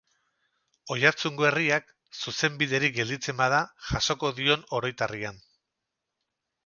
Oiartzungo herriak, zuzenbiderik gelditzen bada, jasoko dion oroitarrian.